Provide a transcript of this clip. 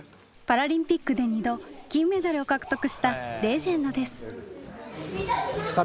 パラリンピックで２度金メダルを獲得したレジェンドです。